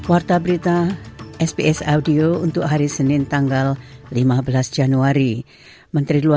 anda bersama sbs bahasa indonesia